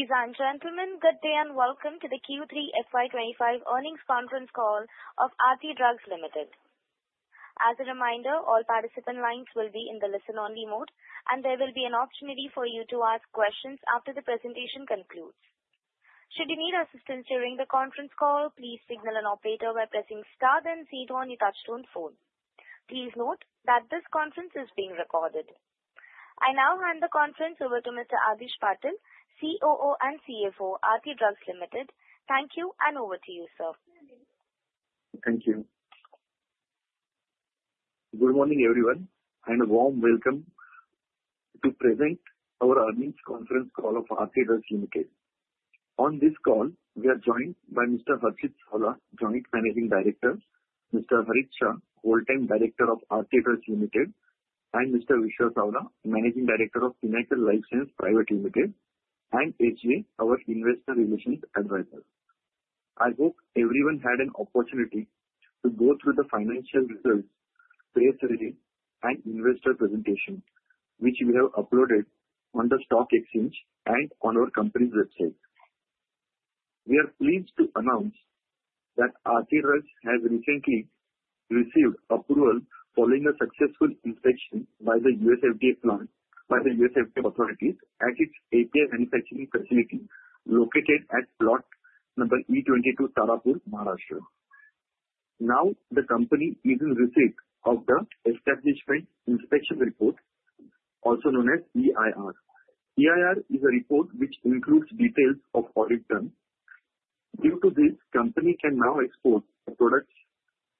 Ladies and gentlemen, good day and welcome to the Q3 FY25 earnings conference call of Aarti Drugs Limited. As a reminder, all participant lines will be in the listen-only mode, and there will be an opportunity for you to ask questions after the presentation concludes. Should you need assistance during the conference call, please signal an operator by pressing star then Z to turn your touchtone phone. Please note that this conference is being recorded. I now hand the conference over to Mr. Adhish Patil, COO and CFO, Aarti Drugs Limited. Thank you, and over to you, sir. Thank you. Good morning, everyone, and a warm welcome to present our earnings conference call of Aarti Drugs Limited. On this call, we are joined by Mr. Harshit Savla, Joint Managing Director, Mr. Harit Shah, Whole Time Director of Aarti Drugs Limited, and Mr. Vishwa Savla, Managing Director of Pinnacle Life Science Private Limited, and SGA, our Investor Relations Advisor. I hope everyone had an opportunity to go through the financial results, press release, and investor presentation, which we have uploaded on the stock exchange and on our company's website. We are pleased to announce that Aarti Drugs has recently received approval following a successful inspection by the USFDA authorities at its API manufacturing facility located at Plot Number E22, Tarapur, Maharashtra. Now, the company is in receipt of the Establishment Inspection Report, also known as EIR. EIR is a report which includes details of audit done. Due to this, the company can now export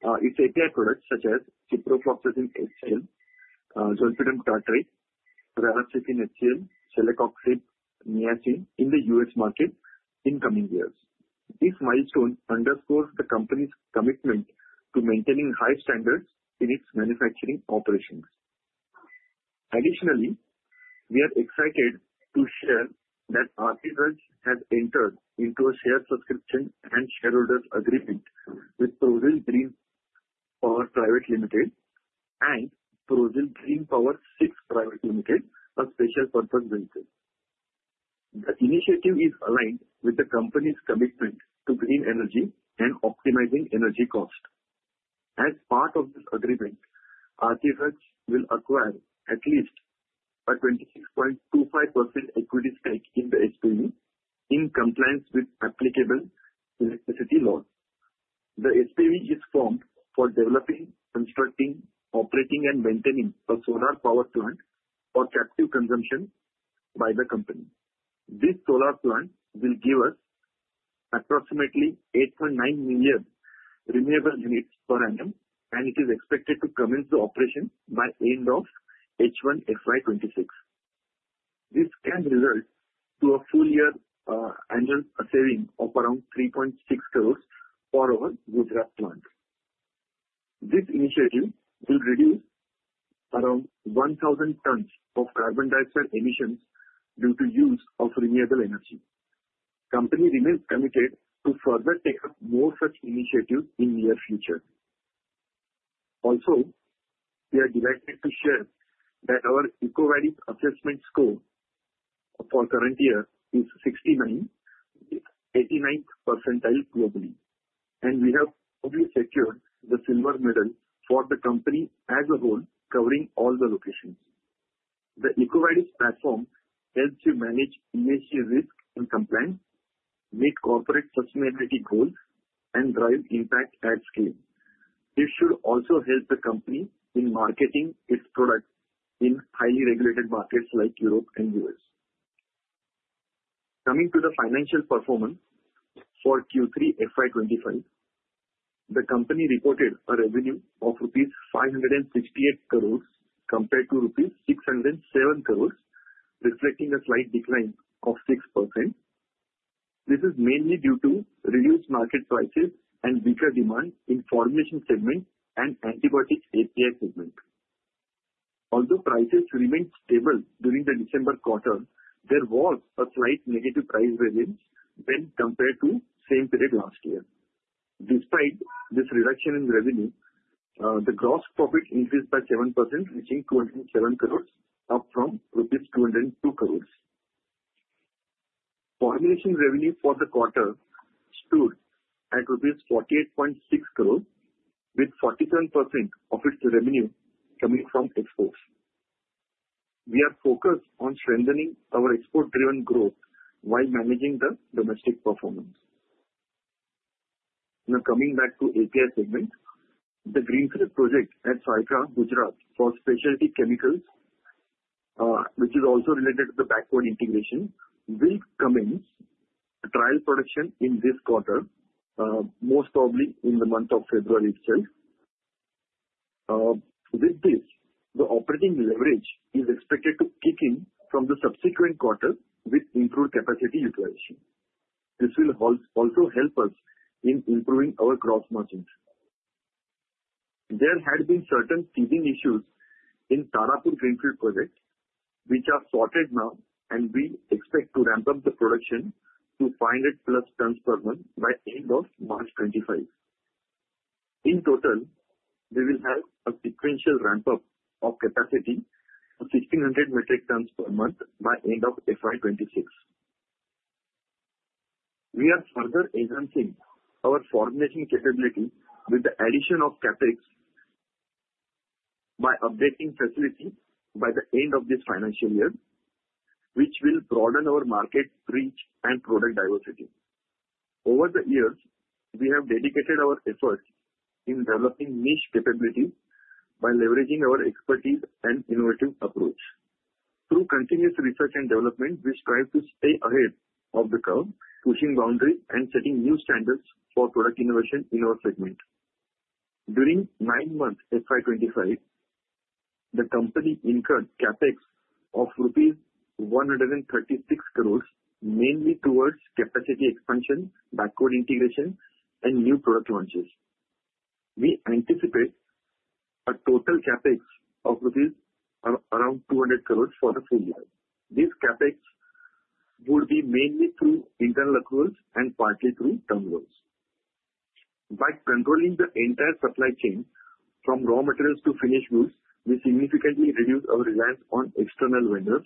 its API products such as Ciprofloxacin HCl, Zolpidem Tartrate, Paracetamol, Celecoxib, and Niacin in the US market in coming years. This milestone underscores the company's commitment to maintaining high standards in its manufacturing operations. Additionally, we are excited to share that Aarti Drugs has entered into a shared subscription and shareholders' agreement with Prozeal Green Power Pvt. Ltd. and Prozil Green Power 6 Pvt. Ltd., a special purpose vehicle. The initiative is aligned with the company's commitment to green energy and optimizing energy cost. As part of this agreement, Aarti Drugs will acquire at least a 26.25% equity stake in the SPV in compliance with applicable electricity laws. The SPV is formed for developing, constructing, operating, and maintaining a solar power plant for captive consumption by the company. This solar plant will give us approximately 8.9 million renewable units per annum, and it is expected to commence the operation by end of H1 FY26. This can result in a full-year annual saving of around 3.6 crores for our Gujarat plant. This initiative will reduce around 1,000 tons of carbon dioxide emissions due to the use of renewable energy. The company remains committed to further take up more such initiatives in the near future. Also, we are delighted to share that our EcoVadis Assessment Score for the current year is 69, 89th percentile globally, and we have only secured the silver medal for the company as a whole, covering all the locations. The EcoVadis platform helps you manage ESG risk and compliance, meet corporate sustainability goals, and drive impact at scale. This should also help the company in marketing its products in highly regulated markets like Europe and the U.S. Coming to the financial performance for Q3 FY25, the company reported a revenue of rupees 568 crores compared to rupees 607 crores, reflecting a slight decline of 6%. This is mainly due to reduced market prices and weaker demand in the formulation segment and antibiotic API segment. Although prices remained stable during the December quarter, there was a slight negative price revenue when compared to the same period last year. Despite this reduction in revenue, the gross profit increased by 7%, reaching 207 crores, up from rupees 202 crores. Formulation revenue for the quarter stood at rupees 48.6 crores, with 47% of its revenue coming from exports. We are focused on strengthening our export-driven growth while managing the domestic performance. Now, coming back to the API segment, the Greenfield Project at Saykha, Gujarat for specialty chemicals, which is also related to the backward integration, will commence trial production in this quarter, most probably in the month of February itself. With this, the operating leverage is expected to kick in from the subsequent quarter with improved capacity utilization. This will also help us in improving our gross margins. There had been certain seeding issues in the Tarapur Greenfield Project, which are sorted now, and we expect to ramp up the production to 500-plus tons per month by the end of March 2025. In total, we will have a sequential ramp-up of capacity to 1,600 metric tons per month by the end of FY26. We are further enhancing our formulation capability with the addition of CapEx by updating facilities by the end of this financial year, which will broaden our market reach and product diversity. Over the years, we have dedicated our efforts in developing niche capabilities by leveraging our expertise and innovative approach. Through continuous research and development, we strive to stay ahead of the curve, pushing boundaries and setting new standards for product innovation in our segment. During the nine-month FY25, the company incurred CapEx of rupees 136 crores, mainly towards capacity expansion, backward integration, and new product launches. We anticipate a total CapEx of INR around 200 crores for the full year. These CapEx would be mainly through internal accruals and partly through term loans. By controlling the entire supply chain from raw materials to finished goods, we significantly reduce our reliance on external vendors.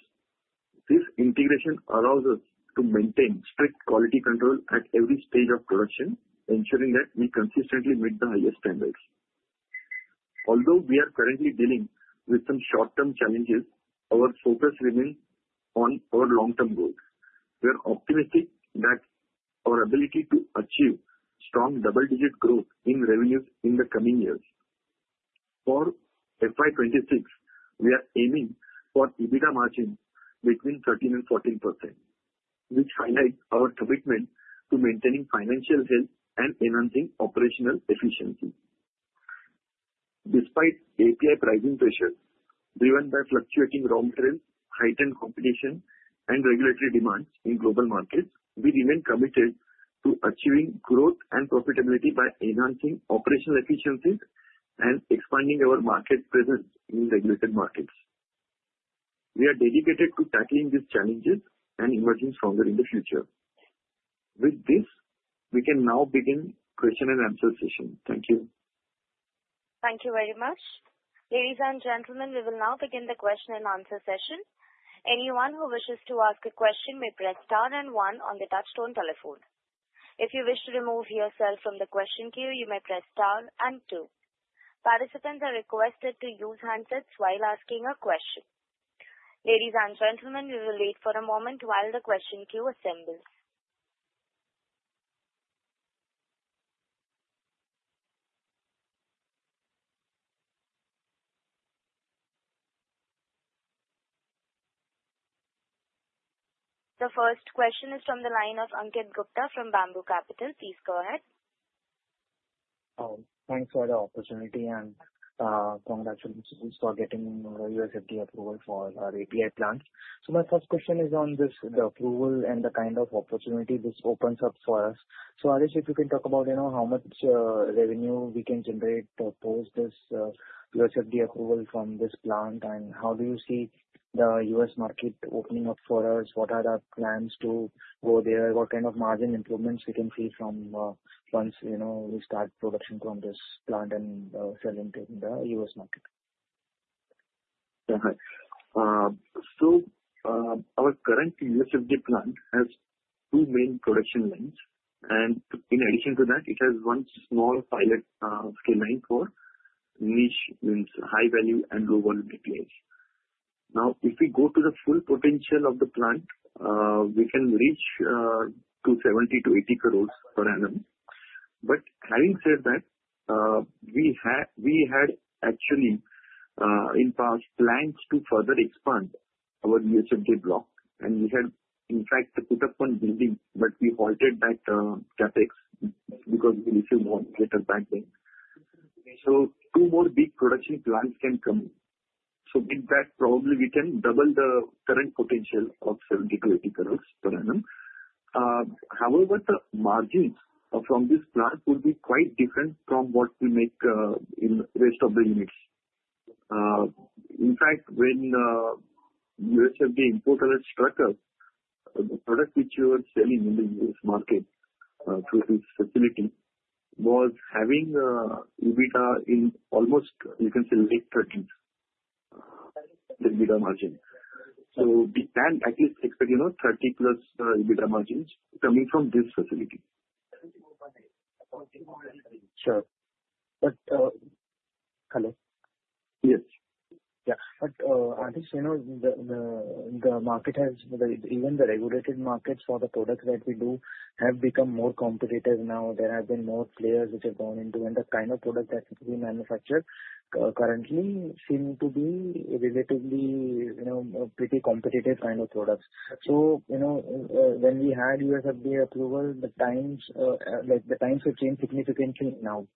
This integration allows us to maintain strict quality control at every stage of production, ensuring that we consistently meet the highest standards. Although we are currently dealing with some short-term challenges, our focus remains on our long-term goals. We are optimistic that our ability to achieve strong double-digit growth in revenues in the coming years. For FY26, we are aiming for EBITDA margins between 13% and 14%, which highlights our commitment to maintaining financial health and enhancing operational efficiency. Despite API pricing pressures driven by fluctuating raw materials, heightened competition, and regulatory demands in global markets, we remain committed to achieving growth and profitability by enhancing operational efficiencies and expanding our market presence in regulated markets. We are dedicated to tackling these challenges and emerging stronger in the future. With this, we can now begin the question and answer session. Thank you. Thank you very much. Ladies and gentlemen, we will now begin the question and answer session. Anyone who wishes to ask a question may press star and one on the touchstone telephone. If you wish to remove yourself from the question queue, you may press star and two. Participants are requested to use handsets while asking a question. Ladies and gentlemen, we will wait for a moment while the question queue assembles. The first question is from the line of Ankit Gupta from Bamboo Capital. Please go ahead. Thanks for the opportunity and congratulations for getting the USFDA approval for our API plant. So my first question is on this, the approval and the kind of opportunity this opens up for us. So Adhish, if you can talk about how much revenue we can generate post this USFDA approval from this plant, and how do you see the US market opening up for us? What are our plans to go there? What kind of margin improvements we can see from once we start production from this plant and selling to the US market? Perfect. Our current USFDA plant has two main production lines, and in addition to that, it has one small pilot scale line for niche means high-value and low-volume APIs. Now, if we go to the full potential of the plant, we can reach 70-80 crores per annum. Having said that, we had actually in past plans to further expand our USFDA block, and we had in fact put up one building, but we halted that CapEx because we received more data back then. Two more big production plants can come. With that, probably we can double the current potential of 70-80 crores per annum. However, the margins from this plant would be quite different from what we make in the rest of the units. In fact, when USFDA inspected structures, the product which you are selling in the US market through this facility was having EBITDA in almost, you can say, late 30s% EBITDA margin. So we can at least expect 30-plus% EBITDA margins coming from this facility. Sure. But hello? Yes. Yeah. But Adhish, the market has, even the regulated markets for the products that we do have become more competitive now. There have been more players which have gone into, and the kind of product that we manufacture currently seem to be relatively pretty competitive kind of products. So when we had USFDA approval, the times have changed significantly now.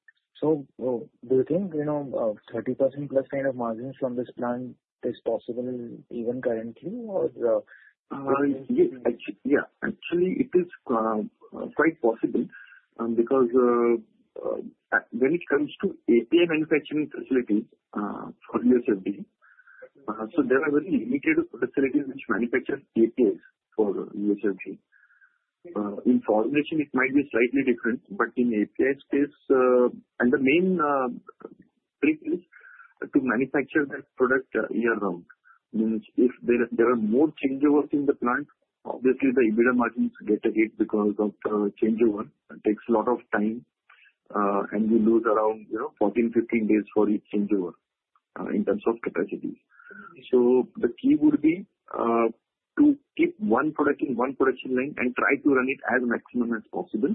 So do you think 30%-plus kind of margins from this plant is possible even currently, or? Yeah. Actually, it is quite possible because when it comes to API manufacturing facilities for USFDA, so there are very limited facilities which manufacture APIs for USFDA. In formulation, it might be slightly different, but in API space, and the main trick is to manufacture that product year-round. If there are more changeovers in the plant, obviously the EBITDA margins get a hit because of the changeover. It takes a lot of time, and we lose around 14-15 days for each changeover in terms of capacity. So the key would be to keep one product in one production line and try to run it as maximum as possible.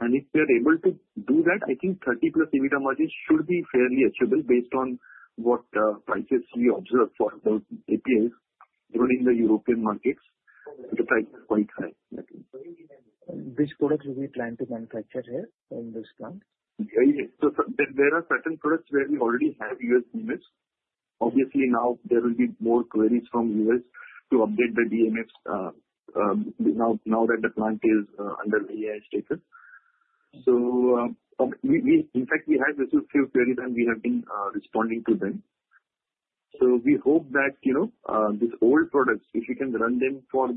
And if we are able to do that, I think 30-plus EBITDA margins should be fairly achievable based on what prices we observe for those APIs running the European markets. The price is quite high. Which products do we plan to manufacture here from this plant? There are certain products where we already have US DMF. Obviously, now there will be more queries from U.S. to update the DMF now that the plant is under NAI status. So in fact, we have received a few queries, and we have been responding to them. So we hope that these old products, if we can run them for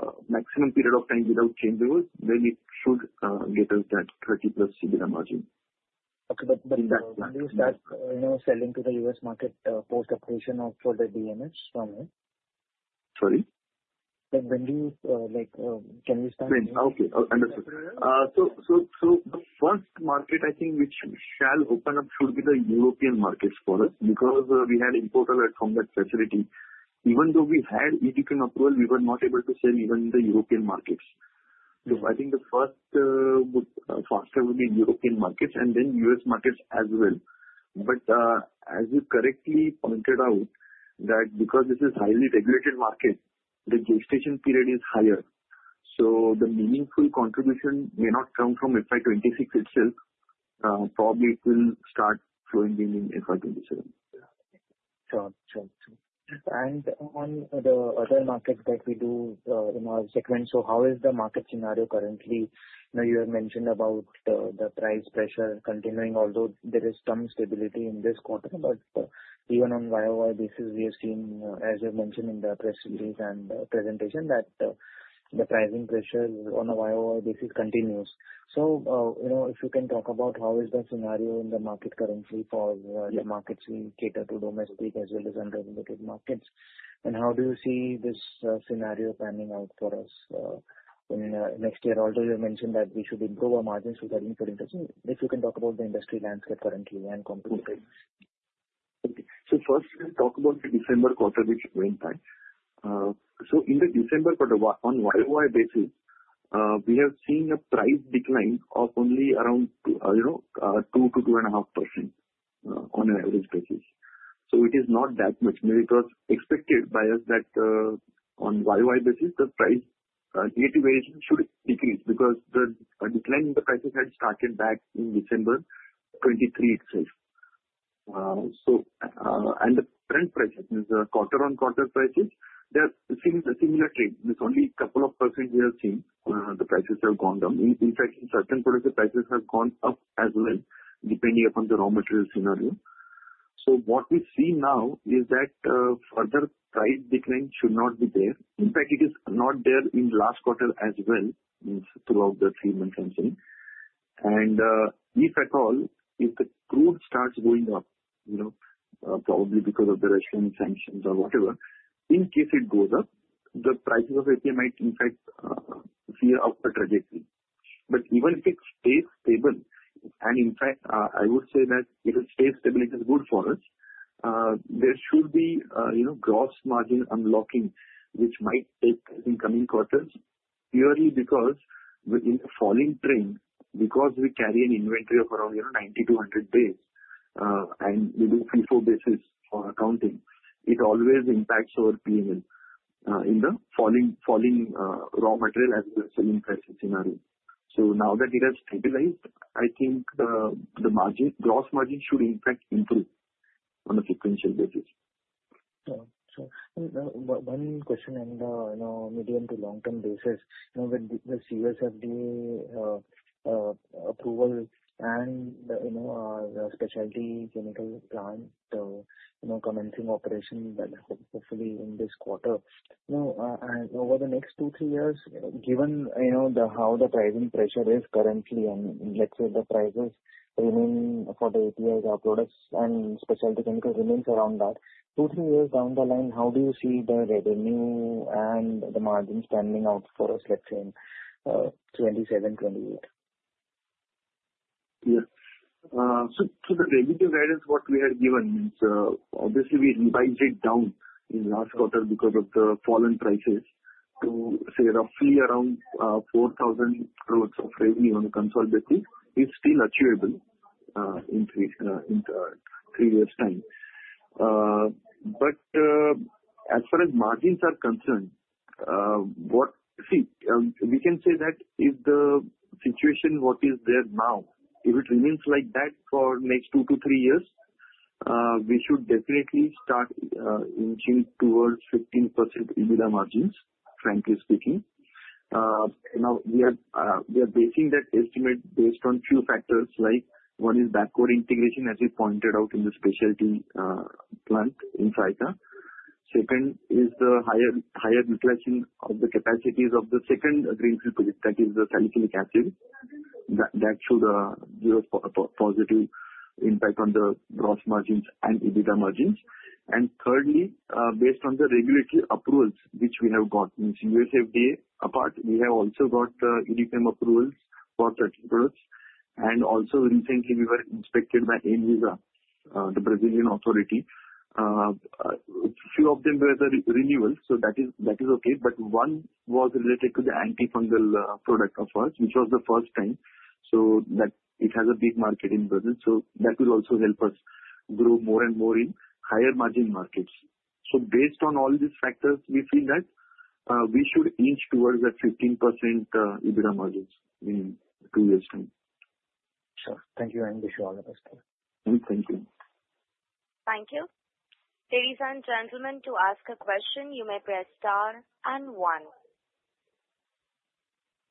a maximum period of time without changeovers, then it should get us that 30-plus EBITDA margin. Okay, but when do you start selling to the US market post-operation for the DMF from here? Sorry? When do you start? Okay. Understood. So the first market, I think, which shall open up should be the European markets for us because we had imported from that facility. Even though we had EDQM approval, we were not able to sell even in the European markets. So I think the first factor would be European markets and then US markets as well. But as you correctly pointed out, that, because this is a highly regulated market, the gestation period is higher. So the meaningful contribution may not come from FY26 itself. Probably it will start flowing in FY27. Sure. Sure. And on the other markets that we do in our segment, so how is the market scenario currently? You have mentioned about the price pressure continuing, although there is some stability in this quarter. But even on YOY basis, we have seen, as you mentioned in the press release and presentation, that the pricing pressure on a YOY basis continues. So if you can talk about how is the scenario in the market currently for the markets we cater to, domestic as well as unregulated markets, and how do you see this scenario panning out for us next year? Although you mentioned that we should improve our margins for 2022, if you can talk about the industry landscape currently and comparisons. So first, let's talk about the December quarter, which went by. So in the December quarter, on YOY basis, we have seen a price decline of only around 2%-2.5% on an average basis. So it is not that much. It was expected by us that on YOY basis, the price negative variation should decrease because the decline in the prices had started back in December 2023 itself. And the current prices, the quarter-on-quarter prices, they are seeing a similar trend. There's only a couple of percent we have seen the prices have gone down. In fact, in certain products, the prices have gone up as well, depending upon the raw material scenario. So what we see now is that further price decline should not be there. In fact, it is not there in the last quarter as well throughout the three-month run. And if at all, if the crude starts going up, probably because of the Russian sanctions or whatever, in case it goes up, the prices of API might, in fact, veer off the trajectory. But even if it stays stable, and in fact, I would say that if it stays stable, it is good for us, there should be gross margin unlocking, which might take in coming quarters purely because in the falling trend, because we carry an inventory of around 9,200 days and we do FIFO basis for accounting, it always impacts our P&L in the falling raw material as well as selling prices scenario. So now that it has stabilized, I think the gross margin should, in fact, improve on a sequential basis. Sure. Sure. One question on the medium to long-term basis. With this USFDA approval and the specialty chemical plant commencing operation hopefully in this quarter, over the next two, three years, given how the pricing pressure is currently, and let's say the prices remain for the APIs, our products, and specialty chemicals remain around that, two, three years down the line, how do you see the revenue and the margins panning out for us, let's say, in 2027, 2028? Yeah, so the revenue guidance, what we had given, obviously, we revised it down in the last quarter because of the fallen prices to say roughly around 4,000 crores of revenue on a consolidated basis. It's still achievable in three years' time, but as far as margins are concerned, see, we can say that if the situation what is there now, if it remains like that for the next two to three years, we should definitely start inching towards 15% EBITDA margins, frankly speaking. Now, we are basing that estimate based on a few factors like one is backward integration, as we pointed out in the specialty plant in Saykha. Second is the higher utilization of the capacities of the second greenfield project, that is the Salicylic Acid. That should give a positive impact on the gross margins and EBITDA margins. And thirdly, based on the regulatory approvals which we have got, USFDA apart, we have also got EDQM approvals for certain products. And also, recently, we were inspected by ANVISA, the Brazilian authority. A few of them were the renewals, so that is okay. But one was related to the antifungal product of ours, which was the first time. So it has a big market in Brazil. So that will also help us grow more and more in higher margin markets. So based on all these factors, we feel that we should inch towards that 15% EBITDA margins in two years' time. Sure. Thank you, and wish you all the best. Thank you. Thank you. Ladies and gentlemen, to ask a question, you may press star and one.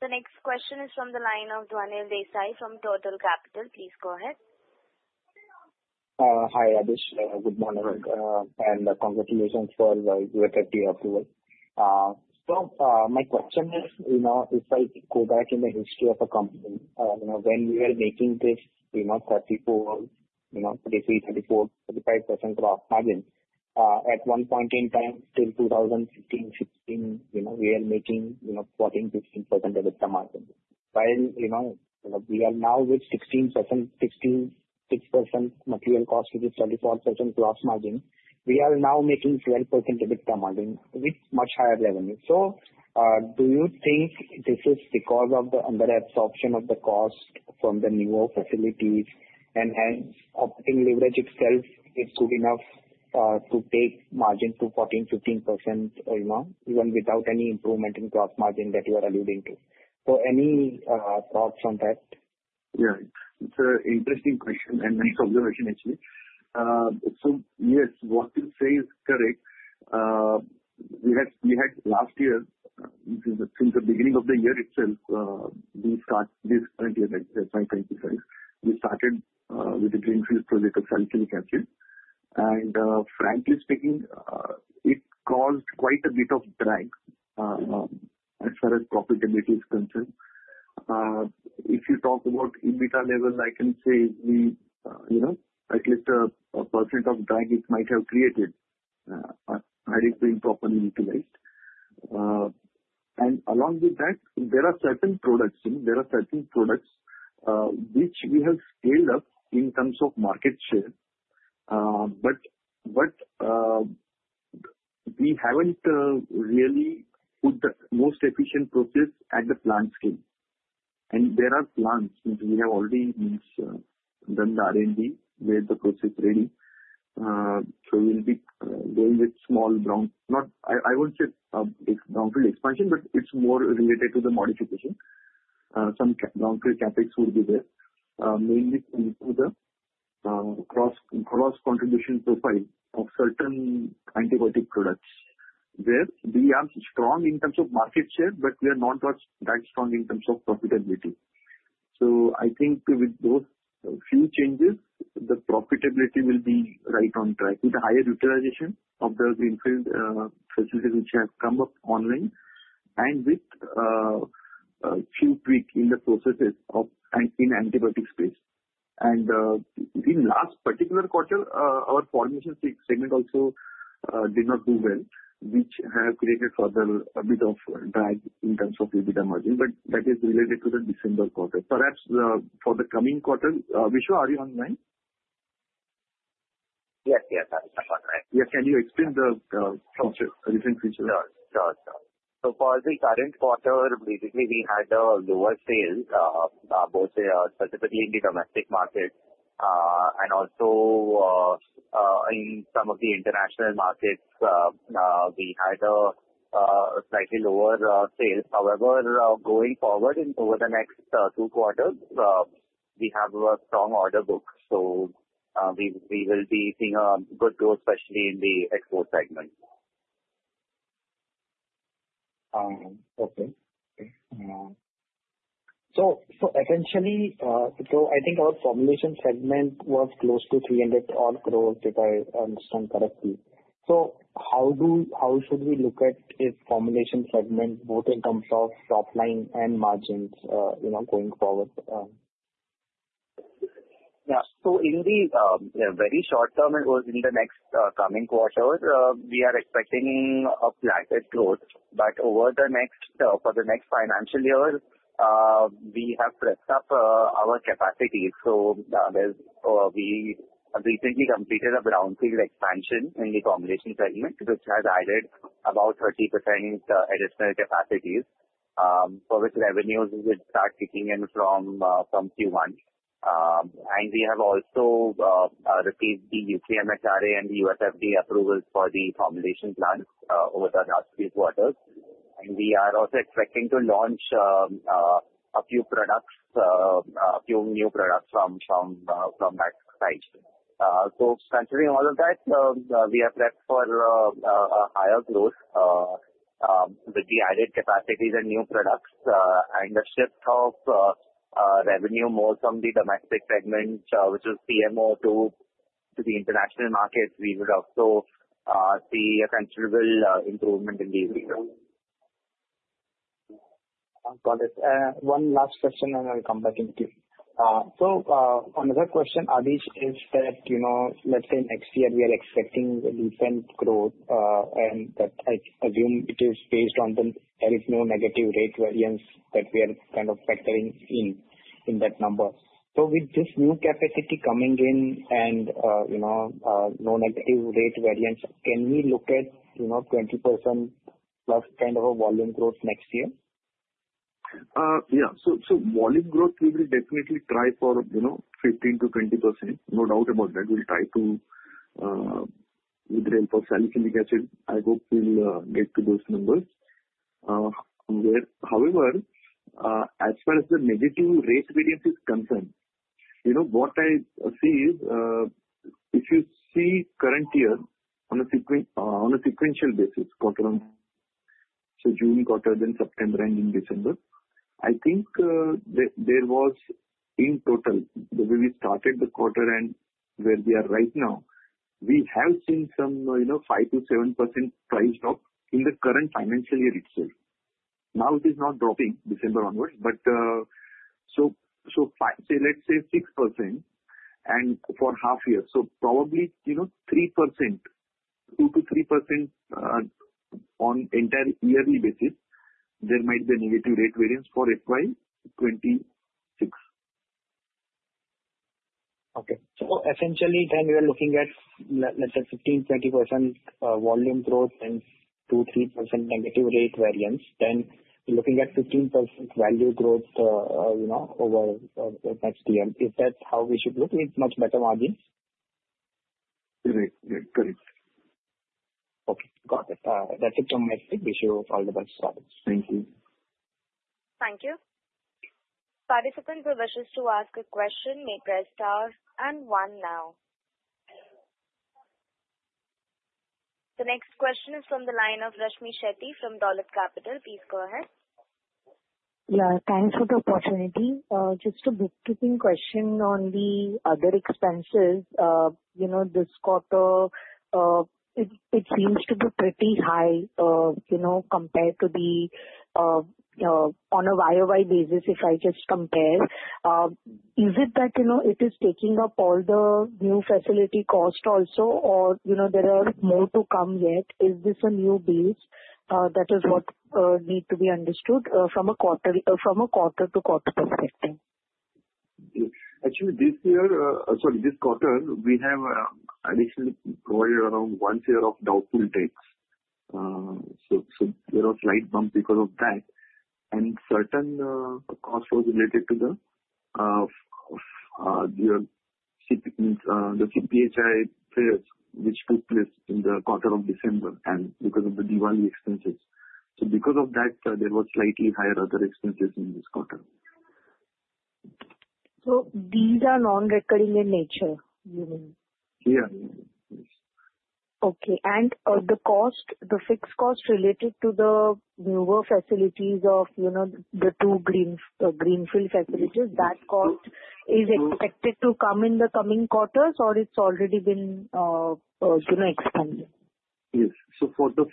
The next question is from the line of Dhwanil Desai from Turtle Capital. Please go ahead. Hi, Adhish. Good morning and congratulations for the USFDA approval. So my question is, if I go back in the history of the company, when we were making this 34%-35% gross margin, at one point in time, till 2015, 2016, we were making 14%-15% EBITDA margin. While we are now with 16.6% material cost, which is 34% gross margin, we are now making 12% EBITDA margin with much higher revenue. So do you think this is because of the under-absorption of the cost from the newer facilities and operating leverage itself is good enough to take margin to 14%-15% even without any improvement in gross margin that you are alluding to? So any thoughts on that? Yeah. It's an interesting question and nice observation, actually. So yes, what you say is correct. We had last year, since the beginning of the year itself, we started this current year, 2025, we started with the greenfield project of Salicylic Acid. And frankly speaking, it caused quite a bit of drag as far as profitability is concerned. If you talk about EBITDA level, I can say at least 1% of drag it might have created had it been properly utilized. And along with that, there are certain products, there are certain products which we have scaled up in terms of market share. But we haven't really put the most efficient process at the plant scale. And there are plants which we have already done the R&D with the process ready. We'll be going with small brownfield. I won't say brownfield expansion, but it's more related to the modification. Some brownfield Capex would be there, mainly to the gross contribution profile of certain antibiotic products where we are strong in terms of market share, but we are not that strong in terms of profitability. I think with those few changes, the profitability will be right on track with the higher utilization of the greenfield facilities which have come up online and with a few tweaks in the processes in the antibiotic space. In the last particular quarter, our formulation segment also did not do well, which has created further a bit of drag in terms of EBITDA margin. That is related to the December quarter. Perhaps for the coming quarter, Vishwa, are you on the line? Yes. Yes. I'm on the line. Yeah. Can you explain the recent features? Sure. So for the current quarter, basically, we had lower sales, both specifically in the domestic market and also in some of the international markets. We had slightly lower sales. However, going forward into the next two quarters, we have a strong order book. So we will be seeing a good growth, especially in the export segment. Okay. So essentially, I think our formulation segment was close to 300% growth, if I understand correctly. So how should we look at formulation segment, both in terms of top line and margins going forward? Yeah. So in the very short term, it was in the next coming quarter, we are expecting a flat growth. But over the next for the next financial year, we have pressed up our capacity. So we have recently completed a Brownfield expansion in the formulation segment, which has added about 30% additional capacities, for which revenues will start kicking in from Q1. And we have also received the UK MHRA and the USFDA approvals for the formulation plant over the last few quarters. And we are also expecting to launch a few products, a few new products from that side. So considering all of that, we are prepped for a higher growth with the added capacities and new products. And the shift of revenue more from the domestic segment, which is PMO, to the international markets, we would also see a considerable improvement in these years. Got it. One last question, and I'll come back into it. So another question, Adhish, is that let's say next year, we are expecting a decent growth, and I assume it is based on the there is no negative rate variance that we are kind of factoring in that number. So with this new capacity coming in and no negative rate variance, can we look at 20% plus kind of a volume growth next year? Yeah. So volume growth, we will definitely try for 15%-20%. No doubt about that. We'll try to, with the help of salicylic acid, I hope we'll get to those numbers. However, as far as the negative rate variance is concerned, what I see is if you see current year on a sequential basis, quarter on quarter, so June quarter, then September, and in December, I think there was in total, the way we started the quarter and where we are right now, we have seen some 5%-7% price drop in the current financial year itself. Now, it is not dropping December onwards. But so let's say 6% and for half year. So probably 2%-3% on entire yearly basis, there might be a negative rate variance for FY 26. Okay. So essentially, then we are looking at, let's say, 15%-20% volume growth and 2%-3% negative rate variance. Then we're looking at 15% value growth over the next year. Is that how we should look with much better margins? Correct. Correct. Okay. Got it. That's it from my side. Wish you all the best, Sadus. Thank you. Thank you. Participants who wish to ask a question may press star and one now. The next question is from the line of Rashmi Shetty from Dolat Capital. Please go ahead. Yeah. Thanks for the opportunity. Just a quick question on the other expenses. This quarter, it seems to be pretty high compared to the one on a YOY basis, if I just compare. Is it that it is taking up all the new facility cost also, or there are more to come yet? Is this a new beast? That is what needs to be understood from a quarter-to-quarter perspective. Thank you. Actually, this year, sorry, this quarter, we have additionally provided around one crore of doubtful debts, so there was a slight bump because of that, and certain cost was related to the CPhI fall, which took place in the quarter of December and because of the Diwali expenses, so because of that, there were slightly higher other expenses in this quarter. So these are non-recurring in nature, you mean? Yeah. Okay. The fixed cost related to the newer facilities of the two greenfield facilities, that cost is expected to come in the coming quarters, or it's already been expanded? Yes. So for the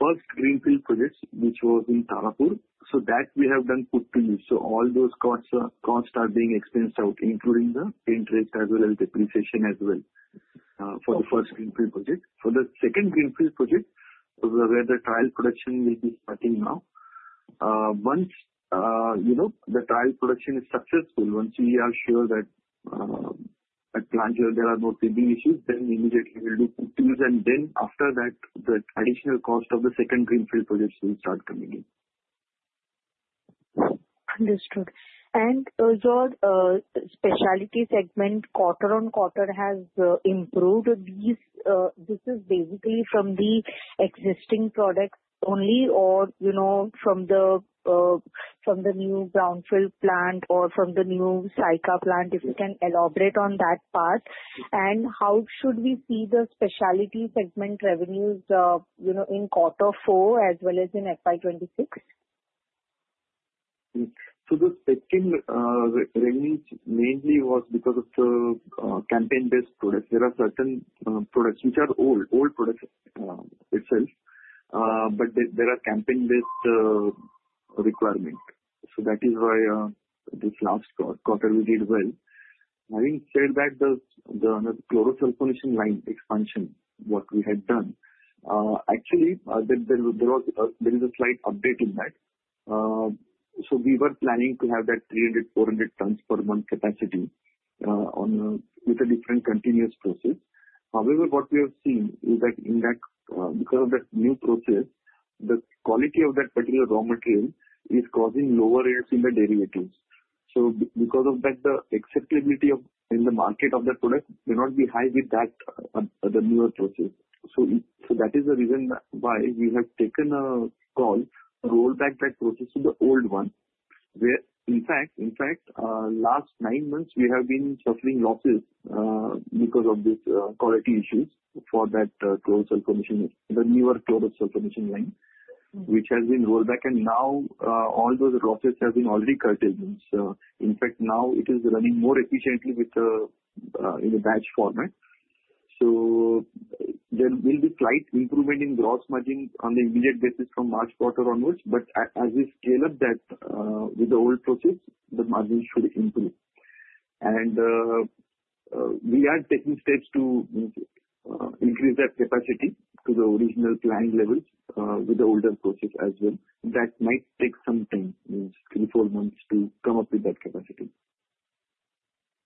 first greenfield project, which was in Tarapur, so that we have done, put to use. So all those costs are being expensed out, including the interest as well as depreciation as well for the first greenfield project. For the second greenfield project, where the trial production will be starting now, once the trial production is successful, once we are sure that at plant level, there are no teething issues, then immediately we'll do good deals. And then after that, the additional cost of the second greenfield projects will start coming in. Understood. And your specialty segment, quarter on quarter, has improved? This is basically from the existing products only or from the new Greenfield plant or from the new Saykha plant? If you can elaborate on that part. And how should we see the specialty segment revenues in quarter four as well as in FY 26? So the second revenue mainly was because of the campaign-based products. There are certain products which are old, old products itself, but there are campaign-based requirements. So that is why this last quarter we did well. Having said that, the chlorosulfonation line expansion, what we had done, actually, there is a slight update in that. So we were planning to have that 300-400 tons per month capacity with a different continuous process. However, what we have seen is that because of that new process, the quality of that particular raw material is causing lower rates in the derivatives. So because of that, the acceptability in the market of the product may not be high with that other newer process. That is the reason why we have taken a call to roll back that process to the old one, where, in fact, last nine months, we have been suffering losses because of these quality issues for that chlorosulfonation, the newer chlorosulfonation line, which has been rolled back, and now, all those losses have been already curtailed. In fact, now it is running more efficiently in a batch format, so there will be slight improvement in gross margin on the immediate basis from March quarter onwards, but as we scale up that with the old process, the margin should improve, and we are taking steps to increase that capacity to the original planned levels with the older process as well. That might take some time, three to four months, to come up with that capacity.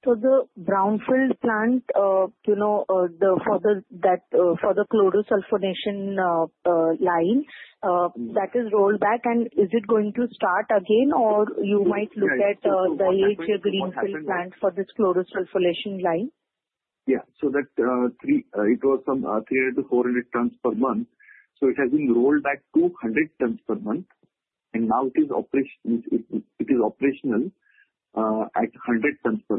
So the Brownfield plant, for the chlorosulfonation line, that is rolled back. And is it going to start again, or you might look at the HEA Greenfield plant for this chlorosulfonation line? Yeah. So it was from 300-400 tons per month. So it has been rolled back to 100 tons per month. And now it is operational at 100 tons per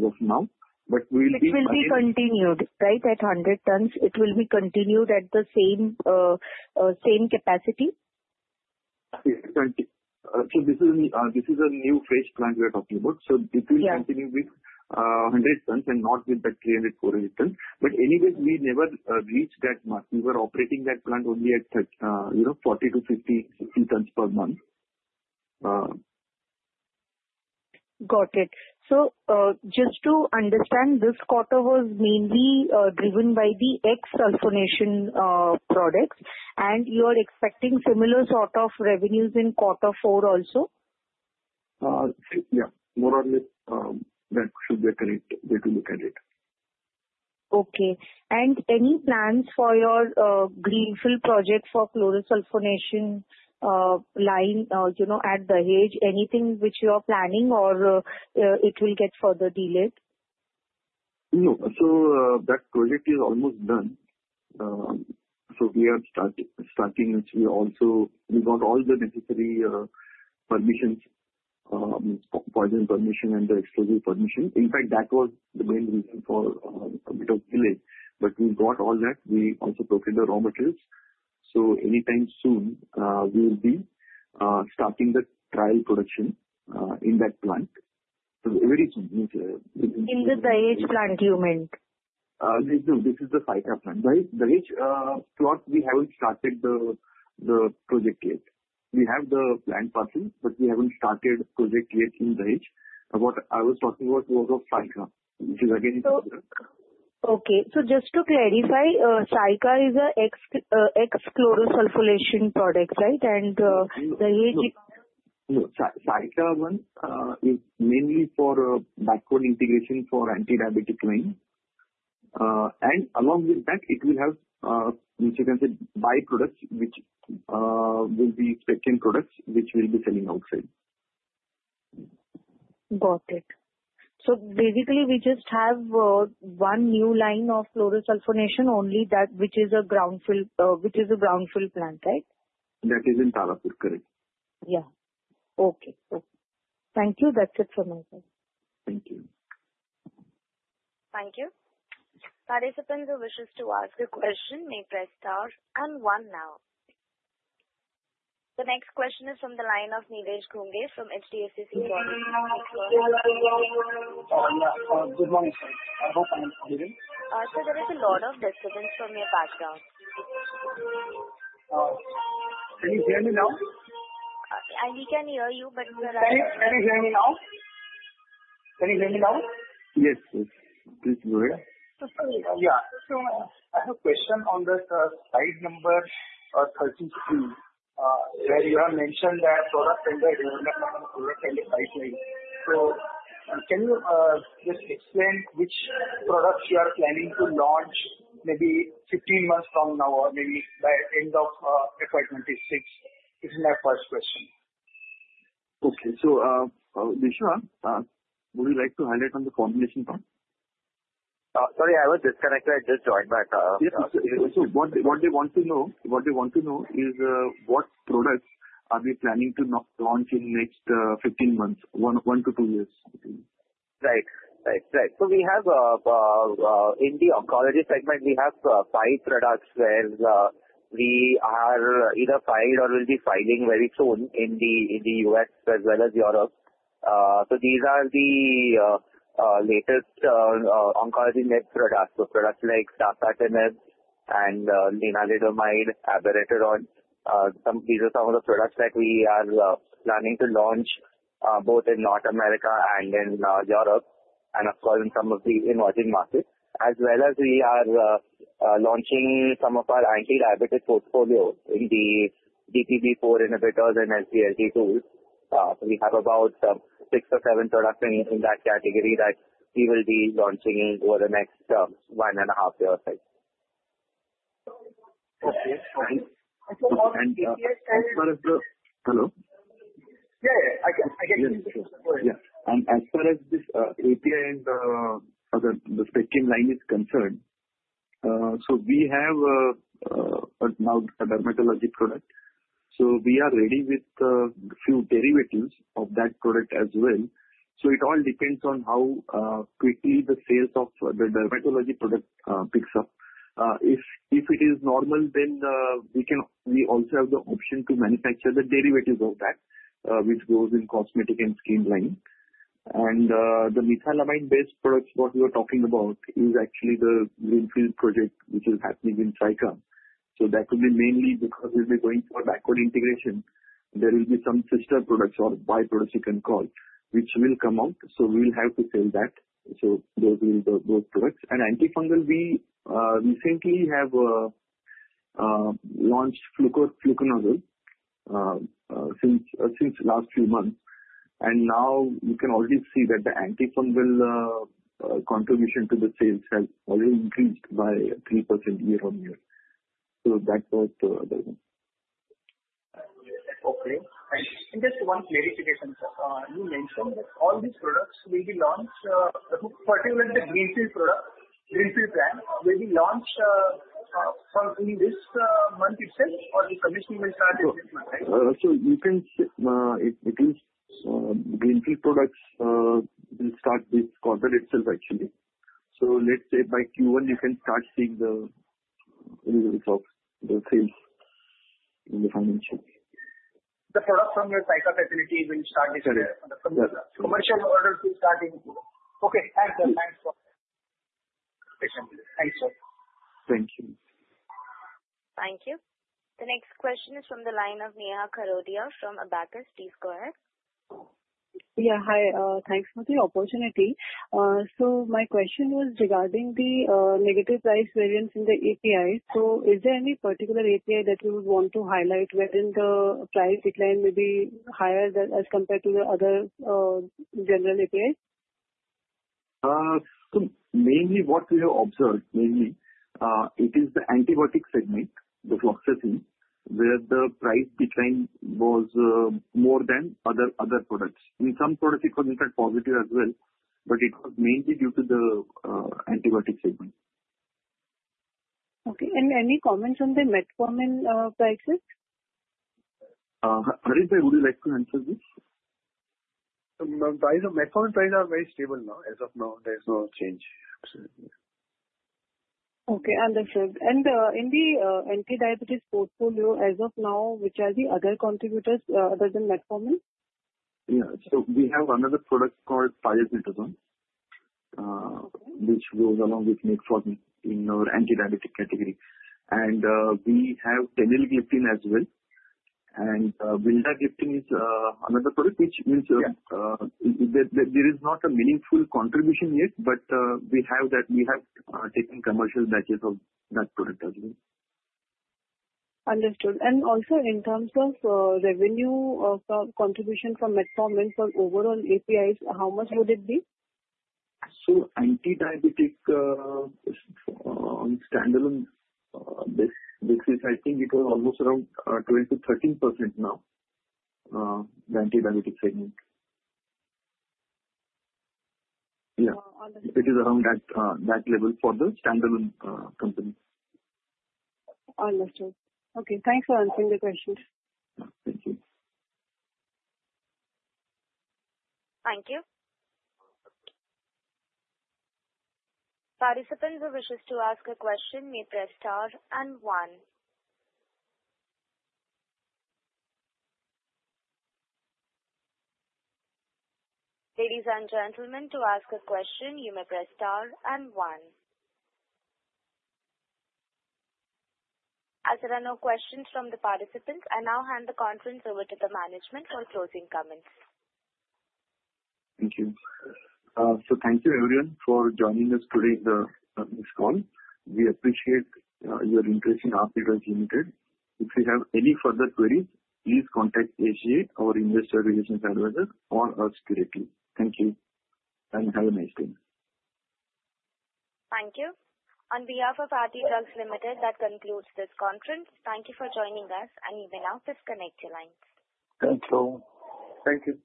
month as of now. But we'll be continuing. It will be continued, right, at 100 tons? It will be continued at the same capacity? Yes. So this is a new phase plant we're talking about. So it will continue with 100 tons and not with that 300, 400 tons. But anyway, we never reached that mark. We were operating that plant only at 40 to 50 tons per month. Got it. So just to understand, this quarter was mainly driven by the ex-sulfonation products. And you are expecting similar sort of revenues in quarter four also? Yeah. More or less, that should be a correct way to look at it. Okay. And any plans for your greenfield project for chlorosulfonation line at the Saykha? Anything which you are planning, or it will get further delayed? No. So that project is almost done. So we are starting. We got all the necessary permissions, forest permission and the EC permission. In fact, that was the main reason for a bit of delay. But we got all that. We also procured the raw materials. So anytime soon, we will be starting the trial production in that plant. So very soon. In the Dahej plant, you meant? No, this is the Saykha plant. The Dahej plant, we haven't started the project yet. We have the plant part, but we haven't started the project yet in the Dahej. What I was talking about was of Saykha, which is again in the order. Okay. So just to clarify, Saykha is an ex-chlorosulfonation product, right? And the Dahej? No. Saykha one is mainly for backward integration for antidiabetic line. And along with that, it will have, as you can see, byproducts, which will be second products which we'll be selling outside. Got it. So basically, we just have one new line of chlorosulfonation only, which is a Brownfield plant, right? That is in Tarapur. Correct. Yeah. Okay. Thank you. That's it from my side. Thank you. Thank you. Participants who wish to ask a question may press star and one now. The next question is from the line of Nilesh Ghuge from HDFC Securities. Good morning, sir. I hope I'm audible. Sir, there is a lot of disturbance from your background. Can you hear me now? We can hear you, but. Can you hear me now? Can you hear me now? Yes, please. Please go ahead. Yeah. So I have a question on the slide number 33, where you have mentioned that product vendor development is in the pipeline. So can you just explain which products you are planning to launch maybe 15 months from now or maybe by the end of FY 26? This is my first question. Okay. So Vishwa, would you like to highlight on the formulation part? Sorry, I was disconnected. I just joined back. Yes, so what they want to know, what they want to know is what products are we planning to launch in the next 15 months, one to two years? So we have in the oncology segment, we have five products where we are either filed or will be filing very soon in the US as well as Europe. So these are the latest oncology new products. So products like Dasatinib and Lenalidomide, Abiraterone. These are some of the products that we are planning to launch both in North America and in Europe and, of course, in some of the emerging markets. As well as we are launching some of our antidiabetic portfolio in the DPP-4 inhibitors and SGLT2s. So we have about six or seven products in that category that we will be launching over the next one and a half years. Okay. And as far as the. Hello? Yeah, yeah. I can hear you. Yeah. And as far as this API and the second line is concerned, so we have now a dermatology product. So we are ready with a few derivatives of that product as well. So it all depends on how quickly the sales of the dermatology product picks up. If it is normal, then we also have the option to manufacture the derivatives of that, which goes in cosmetic and skin line. And the methylamide-based products, what we were talking about, is actually the greenfield project which is happening in Saykha. So that will be mainly because we'll be going for backward integration. There will be some sister products or byproducts you can call, which will come out. So we'll have to sell that. So those will be those products. And antifungal, we recently have launched fluconazole since last few months. Now you can already see that the antifungal contribution to the sales has already increased by 3% year on year. That's what the other one. Okay. And just one clarification, sir. You mentioned that all these products will be launched, particularly the greenfield product, greenfield brand, will be launched in this month itself, or the commission will start in this month, right? So you can say at least greenfield products will start with corporate itself, actually. So let's say by Q1, you can start seeing the results of the sales in the financial. The products from your Saykha facility will start this year. Correct. Commercial orders will start in Q1. Okay. Thanks, sir. Thanks for your patience. Thanks, sir. Thank you. Thank you. The next question is from the line of Neha Kharodia from Abakkus Asset Manager LLP. Yeah. Hi. Thanks for the opportunity. So my question was regarding the negative price variance in the API. So is there any particular API that you would want to highlight wherein the price decline may be higher as compared to the other general APIs? So mainly what we have observed, mainly, it is the antibiotic segment, the Fluconazole, where the price decline was more than other products. In some products, it was in fact positive as well, but it was mainly due to the antibiotic segment. Okay. And any comments on the metformin prices? Harish, would you like to answer this? The Metformin prices are very stable now. As of now, there's no change. Okay. Understood, and in the antidiabetic portfolio, as of now, which are the other contributors other than Metformin? Yeah. So we have another product called Pioglitazone, which goes along with Metformin in our antidiabetic category. And we have Teneligliptin as well. And Vildagliptin is another product, which means there is not a meaningful contribution yet, but we have taken commercial batches of that product as well. Understood. And also, in terms of revenue contribution from Metformin for overall APIs, how much would it be? Antidiabetic standalone basis, I think it was almost around 12%-13% now, the antidiabetic segment. Yeah. It is around that level for the standalone company. Understood. Okay. Thanks for answering the question. Thank you. Thank you. Participants who wish to ask a question may press star and one. Ladies and gentlemen, to ask a question, you may press star and one. As there are no questions from the participants, I now hand the conference over to the management for closing comments. Thank you. So thank you, everyone, for joining us today in this call. We appreciate your interest in Aarti Drugs Limited. If you have any further queries, please contact HDH or investor relations advisor or us directly. Thank you. And have a nice day. Thank you. On behalf of Aarti Drugs Limited, that concludes this conference. Thank you for joining us, and you may now disconnect your lines. Thank you.